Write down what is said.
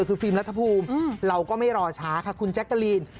คือฟิล์มรัฐภูมิเราก็ไม่รอช้าค่ะคุณแจ๊กกะลีน